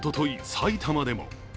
埼玉でも。